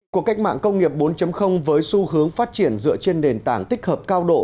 cuộc cách mạng công nghiệp bốn với xu hướng phát triển dựa trên nền tảng tích hợp cao độ